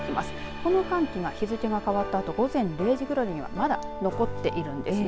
この寒気が日付が変わったあと午前０時ぐらいにはまだ残っているんですね。